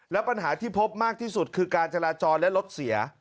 และปัญหาที่พบมากที่สุดคือการจราจรและรถเสีย